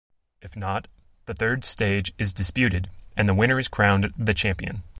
If not, the third stage is disputed, and the winner is crowned the champion.